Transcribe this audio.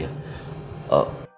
anak dari almarhumah kakak saya sofia